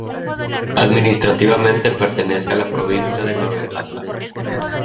Administrativamente pertenece a la provincia de Nueva Irlanda.